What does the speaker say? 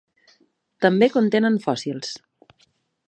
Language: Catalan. També contenen fòssils.